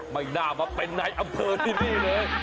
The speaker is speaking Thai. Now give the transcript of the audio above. ไม่น่ามาเป็นในอำเภอที่นี่เลย